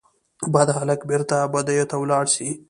بد هلک بیرته بدیو ته ولاړ سي